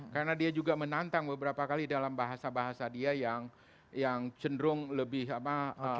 karena dia juga menantang beberapa kali dalam bahasa bahasa dia yang cenderung lebih apa